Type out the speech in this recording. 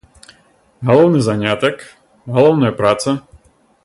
Галоўны занятак, галоўная праца?